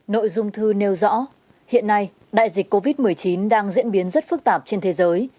nội dung thư nêu rõ hiện nay đại dịch covid một mươi chín đang diễn biến rất phức tạp trên thế giới